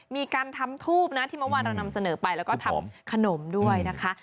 มีการทำทูบนะที่เมื่อวานเรานำเสนอไปแล้วก็ทำขนมด้วยนะคะ